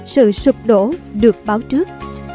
sự sụp đổ được báo trước